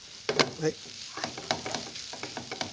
はい。